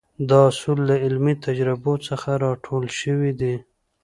دا اصول له عملي تجربو څخه را ټول شوي دي.